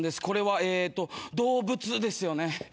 これはえーっと動物ですよね。